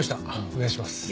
お願いします。